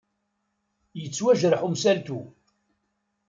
Yettwajreḥ umsaltu!